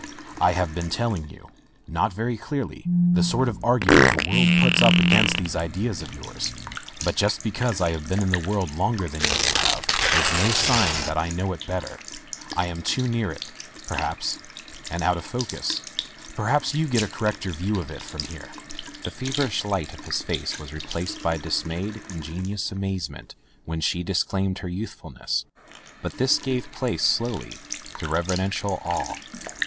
I have been telling you — not very cleverly — the sort of argument the world puts up against these ideas of yours. But just be cause I have been in the world longer than you have is no sign that I know it better. I am too riear it, perhaps — ^and out of focus. Perhaps you get a correcter view of it from here.'' The feverish light of his face was replaced by dismayed, ingenuous amazement when she disclaimed her youthfulness, but this gave place, slowly, to reverential awe.